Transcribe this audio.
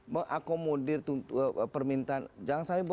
mengakomodir permintaan jangan sampai